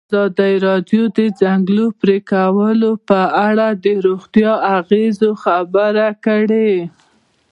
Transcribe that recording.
ازادي راډیو د د ځنګلونو پرېکول په اړه د روغتیایي اغېزو خبره کړې.